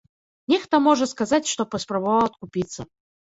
Нехта можа сказаць, што паспрабаваў адкупіцца.